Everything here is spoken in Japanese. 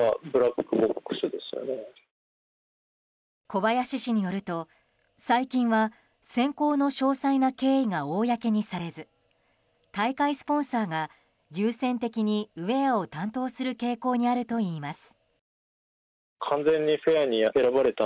小林氏によると、最近は選考の詳細な経緯が公にされず大会スポンサーが優先的にウェアを担当する傾向にあるといいます。